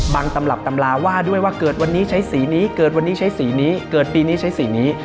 ตำรับตำราว่าด้วยว่าเกิดวันนี้ใช้สีนี้เกิดวันนี้ใช้สีนี้เกิดปีนี้ใช้สีนี้